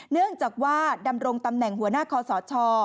เนื่องจากว่าดำรงตำแหน่งหัวหน้าคอสช